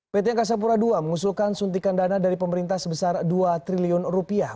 pt angkasa pura ii mengusulkan suntikan dana dari pemerintah sebesar dua triliun rupiah